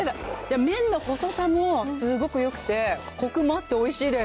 麺の細さもよくてコクもあっておいしいです。